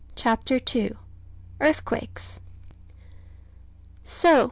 CHAPTER II EARTHQUAKES So?